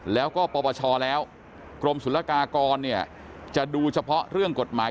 แล้วก็ปปชแล้วกรมศุลกากรเนี่ยจะดูเฉพาะเรื่องกฎหมาย